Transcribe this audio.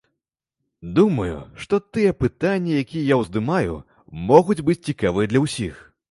Думаю, што тыя пытанні, якія я ўздымаю, могуць быць цікавыя для ўсіх.